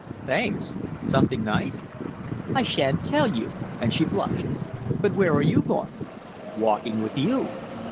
"Thanks! Something nice?" "I shan't tell you!" and she blushed. "But where are you going?" "Walking with you!"